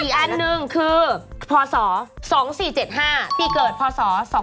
อีกอันนึงคือพศ๒๔๗๕ที่เกิดพศ๒๔๗๕